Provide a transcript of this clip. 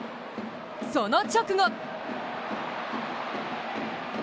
その直後！